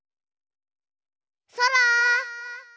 そら！